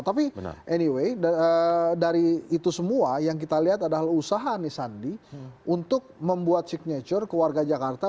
tapi anyway dari itu semua yang kita lihat adalah usaha anies sandi untuk membuat signature ke warga jakarta